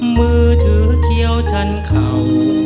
มือถือเคี้ยวชั้นเข่า